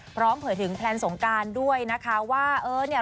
เผยถึงแพลนสงการด้วยนะคะว่าเออเนี่ย